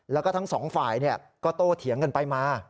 แล้วก็ทั้งสองฝ่ายก็โตเถียงกันไปมา